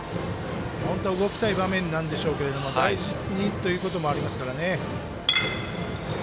本当は動きたい場面なんですけど大事にということもありますから。